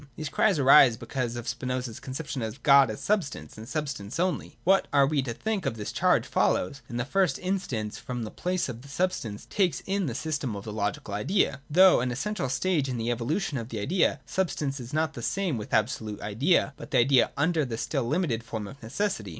These cries arise because of Spinoza's conception of God as substance, and substance only. What we are to think of this charge follows, in the first in stance, from the place which substance takes in the sys tem of the logical idea. Though an essential stage in the evolution of the idea, substance is not the same with abso lute Idea, but the idea under the still limited form of neces sity.